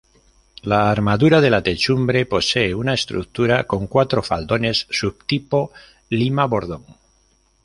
La armadura de la techumbre posee una estructura con cuatro faldones, subtipo lima-bordón.